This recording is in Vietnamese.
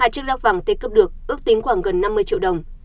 hai chiếc rắc vàng tích cấp được ước tính khoảng gần năm mươi triệu đồng